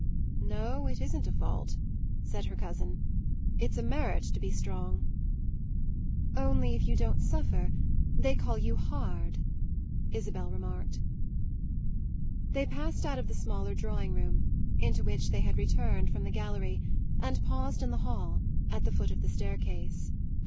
"No, it isn't a fault," said her cousin. "It's a merit to be strong." "Only, if you don't suffer they call you hard," Isabel remarked. They passed out of the smaller drawing room, into which they had returned from the gallery, and paused in the hall, at the foot of the staircase.